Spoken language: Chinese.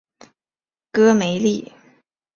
戈梅利。